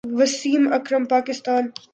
Wasim Akram Pakistan